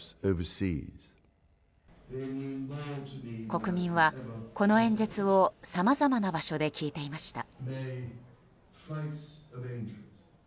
国民はこの演説をさまざまな場所で聞いていました。